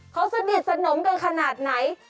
เขาสนิทสนมกันขนาดไหน